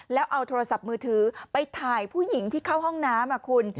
แล้วเอาโทรศัพท์มือถือไปถ่ายผู้หญิงที่เข้าห้องน้ำคุณ